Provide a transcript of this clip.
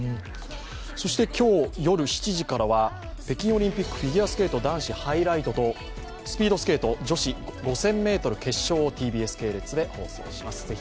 そして今日、夜７時からは北京オリンピックフィギュアスケート男子ハイライトとスピードスケート女子５０００ｍ決勝をＴＢＳ系列でお送りします。